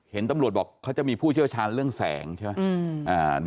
เห็นตำรวจบอกเขาจะมีผู้เชี่ยวชาญเรื่องแสงใช่ไหม